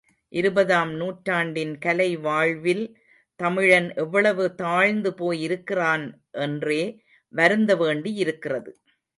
இருபதாம் நூற்றாண்டின் கலைவாழ்வில் தமிழன் எவ்வளவு தாழ்ந்து போயிருக்கிறான் என்றே வருந்த வேண்டியிருக்கிறது!